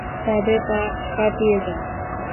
তাদের পাশ কাটিয়ে যাও।